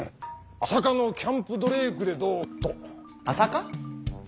朝霞のキャンプドレイクでどうかと。